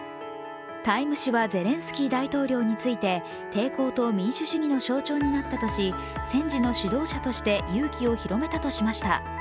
「ＴＩＭＥ」誌はゼレンスキー大統領について抵抗と民主主義の象徴になったとし戦時の指導者として勇気を広めたとしました。